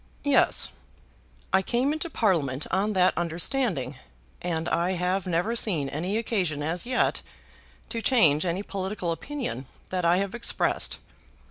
"Yes. I came into Parliament on that understanding; and I have never seen any occasion as yet to change any political opinion that I have expressed.